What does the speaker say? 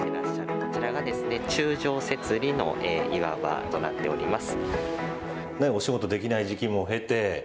こちらが柱状節理の岩場となっております。